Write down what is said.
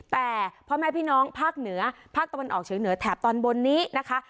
แต่พ่อแม่พี่น้องภาคเหนือภาคตะวันออกเฉียงเหนือแถบตอนบนนี้นะคะ